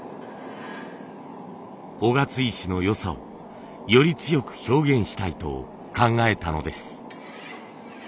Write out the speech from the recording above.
雄勝石のよさをより強く表現したいと考えたのです。